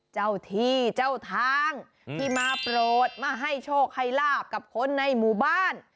ใครลาบกับคนในหมู่บ้าน